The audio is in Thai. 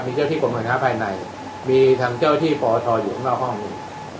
มีเจ้าที่ประมาณภายในมีทางเจ้าที่ปศอยู่ข้างนอกห้องนี้